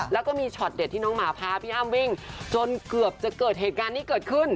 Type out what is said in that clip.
แล้วก็มีช็อตเด็ดที่น้องหมาพาพี่อ้ำวิ่งจนเกือบจะเกิดเหตุการณ์นี้เกิดขึ้น